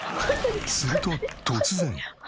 すると突然。